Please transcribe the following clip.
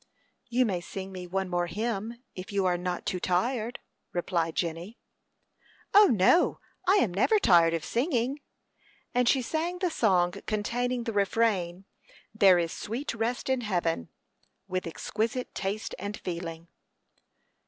"You may sing me one more hymn, if you are not too tired," replied Jenny. "O, no! I am never tired of singing;" and she sang the song containing the refrain, "There is sweet rest in heaven," with exquisite taste and feeling.